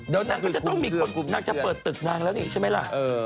เดี๋ยวน่าวนักต้องเปิดตึกนางแล้วนี่ใช่ไหมล่ะ